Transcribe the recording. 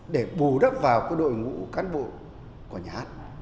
để bù đắp vào cái đội ngũ cán bộ của nhà hát